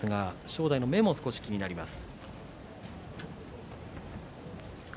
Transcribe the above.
正代の目も気になります。